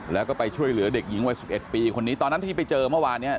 แล้วก็ไปช่วยเหลือเด็กหญิงวัย๑๑ปีคนนี้ตอนนั้นที่ไปเจอเมื่อวานเนี่ย